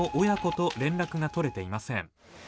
親子と連絡が取れていません。